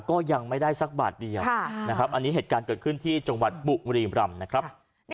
ก็ยังไม่ได้สักบาทเดียวนะครับอันนี้เหตุการณ์เกิดขึ้นที่จังหวัดบุรีรำนะครับ